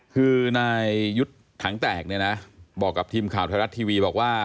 คือนายยุทธ์ถังแตกเนี่ยนะบอกกับทีมข่าวไทยรัฐทีวีบอกว่า